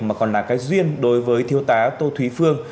mà còn là cái duyên đối với thiếu tá tô thúy phương